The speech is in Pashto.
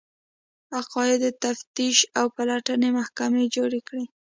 عقایدو تفتیش او پلټنې محکمې جوړې کړې